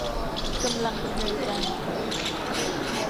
กำลังดำเนินการ